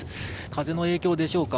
風の影響でしょうか。